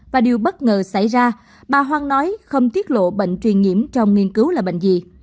và điều bất ngờ xảy ra bà hoang nói không tiết lộ bệnh truyền nhiễm trong nghiên cứu là bệnh gì